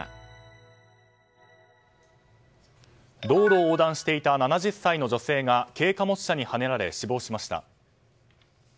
道路を横断していた７０歳の女性が軽貨物車にはねられ死亡しました。